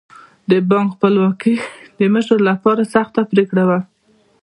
د بانک خپلواکي د مشر لپاره سخته پرېکړه وه.